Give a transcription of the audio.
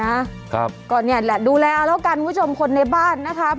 ครับก็เนี่ยแหละดูแลเอาแล้วกันคุณผู้ชมคนในบ้านนะครับ